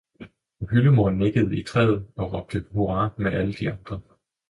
og hyldemor nikkede i træet og råbte hurra med alle de andre.